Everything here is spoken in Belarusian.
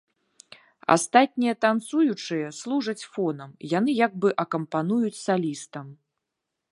Астатнія танцуючыя служаць фонам, яны як бы акампануюць салістам.